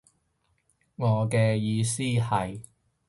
我嘅意思係